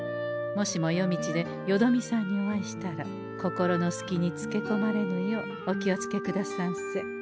もしも夜道でよどみさんにお会いしたら心のすきにつけこまれぬようお気をつけくださんせ。